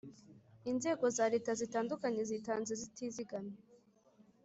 Inzego za Leta zitandukanye zitanze zitizigamye